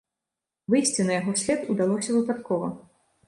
Выйсці на яго след удалося выпадкова.